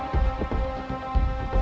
ya ada tiga orang